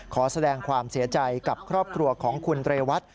ขอแสดงความเสียใจกับครอบครัวของคุณเรวัต